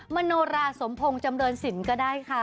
มโนราสมพงศ์จำเรินสินก็ได้ค่ะ